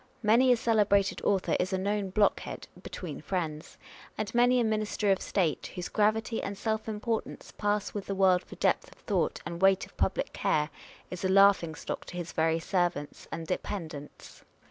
Many a celebrated author is a known blockhead (between friends) ; and many a minister of state, whose gravity and self importance pass with the world for depth of thought and weight of public care, is a laughingstock to his very servants and dependents.